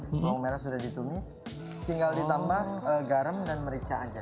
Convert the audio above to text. bawang merah sudah ditumis tinggal ditambah garam dan merica aja